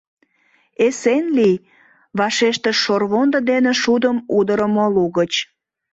— Эсен лий, — вашештыш шорвондо дене шудым удырымо лугыч.